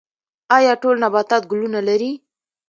ایا ټول نباتات ګلونه لري؟